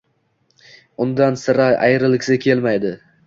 Undan sira ayrilgisi kelmaydi…